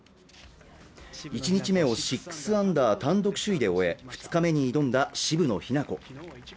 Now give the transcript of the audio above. １日目は６アンダー単独首位で終え２日目に挑んだ渋野日向子